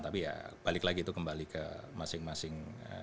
tapi ya balik lagi itu kembali ke masing masing